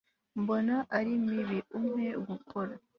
mbona ari mibi, umpe gukora